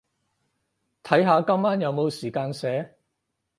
睇下今晚有冇時間寫